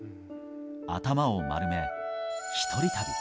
頭を丸め、一人旅。